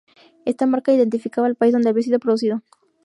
Esta marca identificaba el país donde había sido producido.